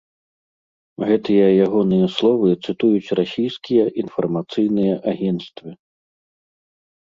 Гэтыя ягоныя словы цытуюць расійскія інфармацыйныя агенцтвы.